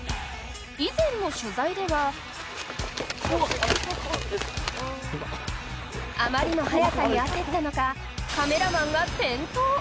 以前の取材ではあまりの速さに焦ったのかカメラマンが転倒。